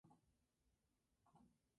Otra erupción más pequeña formó los islotes.